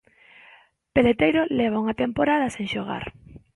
Peleteiro leva unha temporada sen xogar.